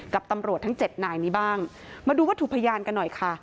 กับตำรวจทั้งเจ็ดนายนี้บ้างมาดูวัตถุพยานกันหน่อยค่ะ